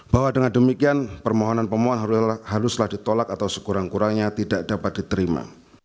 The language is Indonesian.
bahwa dengan demikian permohonan pemohon haruslah ditolak atau sekurang kurangnya tidak dapat diterima